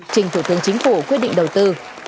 trình thủ tướng chính phủ quyết định đầu tư